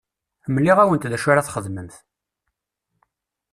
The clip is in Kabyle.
Mliɣ-awent d acu ara txedmemt.